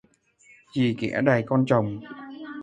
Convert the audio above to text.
Dì ghẻ đày con chồng